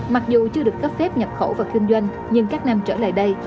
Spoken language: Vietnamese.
mặc dù chưa được cấp phép nhập khẩu và kinh doanh nhưng các năm trở lại đây